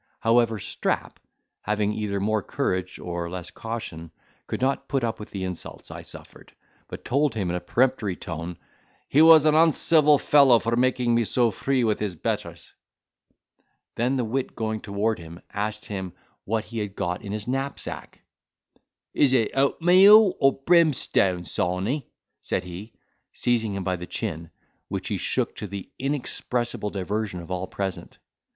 However, Strap, having either more courage or less caution, could not put up with the insults I suffered, but told him in a peremptory tone, "He was an uncivil fellow for making so free with his betters." Then the wit going toward him, asked him what he had got in his knapsack? "Is it oatmeal or brimstone, Sawney?" said he, seizing him by the chin, which he shook, to the inexpressible diversion of all present.